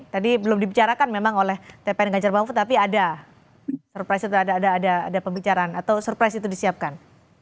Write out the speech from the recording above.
tadi belum dibicarakan memang oleh tpn ganjar mahfud tapi ada surprise atau ada pembicaraan atau surprise itu disiapkan